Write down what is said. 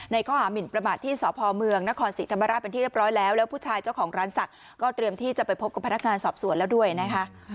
ข้อหามินประมาทที่สพเมืองนครศรีธรรมราชเป็นที่เรียบร้อยแล้วแล้วผู้ชายเจ้าของร้านศักดิ์ก็เตรียมที่จะไปพบกับพนักงานสอบสวนแล้วด้วยนะคะ